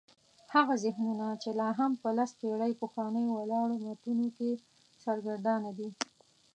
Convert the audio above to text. هغه ذهنونه چې لا هم په لس پېړۍ پخوانیو ولاړو متونو کې سرګردانه دي.